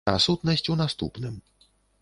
А сутнасць у наступным.